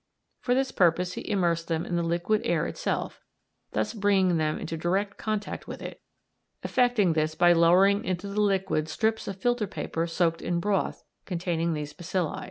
For this purpose he immersed them in the liquid air itself, thus bringing them into direct contact with it, effecting this by lowering into the liquid strips of filter paper soaked in broth containing these bacilli.